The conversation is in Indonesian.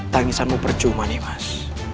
tangisanmu percuma nih mas